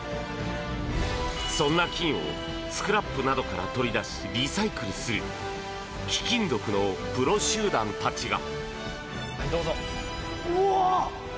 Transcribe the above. そんな金をスクラップなどから取り出しリサイクルする貴金属のプロ集団たちが！